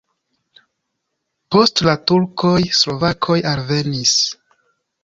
Post la turkoj slovakoj alvenis.